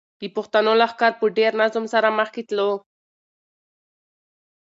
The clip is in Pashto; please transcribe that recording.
د پښتنو لښکر په ډېر نظم سره مخکې تلو.